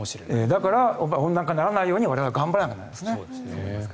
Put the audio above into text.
だから温暖化にならないように我々は頑張らないといけない。